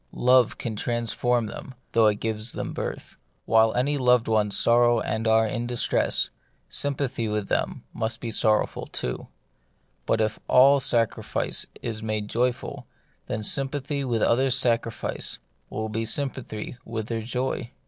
Love can transform them, though it gives them birth. While any loved ones sorrow and are in distress, sympathy with them must be sorrowful too ; but if all sac rifice is made joyful, then sympathy with others' sacrifice will be sympathy with their joy.